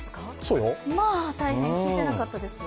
まあ大変、聞いていなかったです。